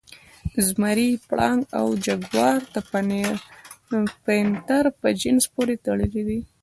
زمری، پړانګ او جګوار د پینتر په جنس پورې تړلي دي.